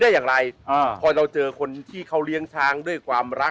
ชื่องนี้ชื่องนี้ชื่องนี้ชื่องนี้ชื่องนี้ชื่องนี้